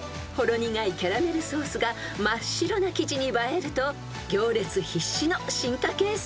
［ほろ苦いキャラメルソースが真っ白な生地に映えると行列必至の進化形